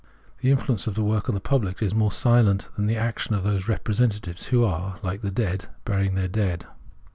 The influence of the work on the pubhc is more silent than the action of those " representatives," who are like the dead burying their dead.